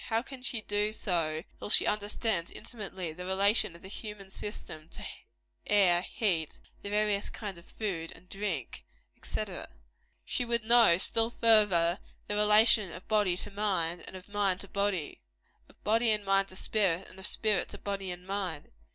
How can she do so, till she understands, intimately, the relation of the human system to air, heat, the various kinds of food, drink, &c.? She would know, still further, the relation of body to mind, and of mind to body of body and mind to spirit, and of spirit to body and mind.